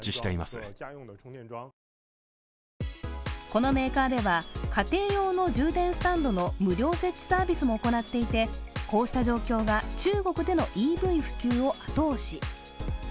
このメーカーでは、家庭用の充電スタンドの無料設置サービスも行っていてこうした状況が中国でのＥＶ普及を後押し。